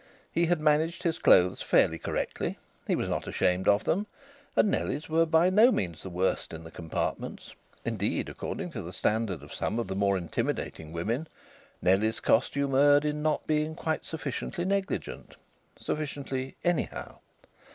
He had managed his clothes fairly correctly; he was not ashamed of them; and Nellie's were by no means the worst in the compartments; indeed, according to the standard of some of the most intimidating women, Nellie's costume erred in not being quite sufficiently negligent, sufficiently "anyhow."